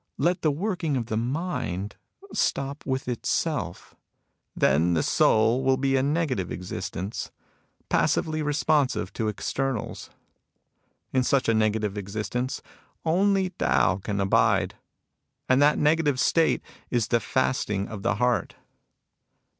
Let the working of the mind stop with itself. Then the soul will be a negative existence, passively responsive to externals. In such a negative existence, only Tao can abide. And that negative state is the fasting of the heart."